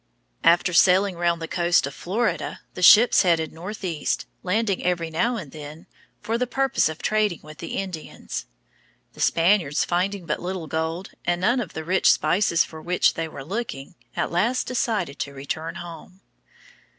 After sailing round the coast of Florida, the ships headed northeast, landing every now and then for the purpose of trading with the Indians. The Spaniards, finding but little gold and none of the rich spices for which they were looking, at last decided to return home.